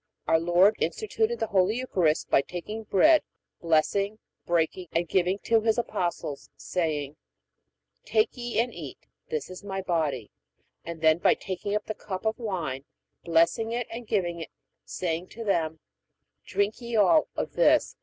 Our Lord instituted the Holy Eucharist by taking bread, blessing, breaking, and giving to His Apostles, saying: Take ye and eat. This is My body; and then by taking the cup of wine, blessing and giving it, saying to them: Drink ye all of this.